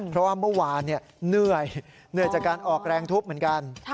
เพราะว่าเมื่อวานเหนื่อยเหนื่อยจากการออกแรงทุบเหมือนกัน